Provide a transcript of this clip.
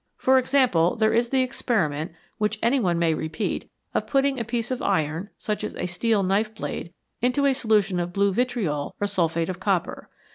For example, there is the experiment, which any one may repeat, of putting a piece of iron, such as a steel knife blade, into a solution of blue vitriol or sulphate of copper.